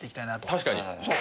確かに。